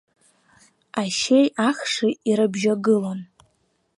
Ашьеи ахши ирыбжьагылон.